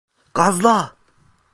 Gazla!